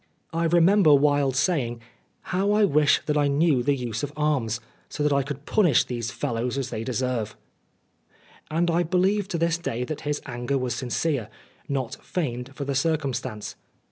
I remember Wilde's saying, " How I wish that I knew the use of arms, so that I could punish these fellows as they deserve. 1 ' And I believe to this day that his anger was sincere, not feigned for the circumstance.